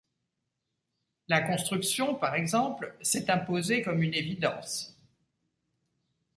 La construction, par exemple, s’est imposée comme une évidence.